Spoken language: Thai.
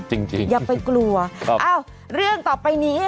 จริงอย่าไปกลัวเรื่องต่อไปเนี้ย